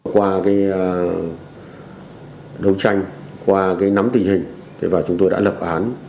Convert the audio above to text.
qua đấu tranh qua nắm tình hình và chúng tôi đã lập án